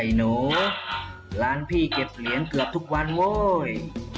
หนูร้านพี่เก็บเหรียญเกือบทุกวันโว้ย